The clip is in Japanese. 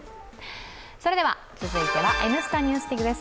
続いては「Ｎスタ・ＮＥＷＳＤＩＧ」です。